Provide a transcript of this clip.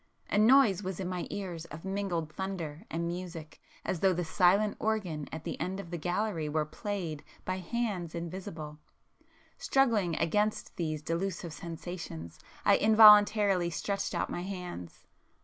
—a noise was in my ears of mingled thunder and music as though the silent organ at the end of the gallery were played by hands invisible;—struggling against these delusive sensations, I involuntarily stretched out my hands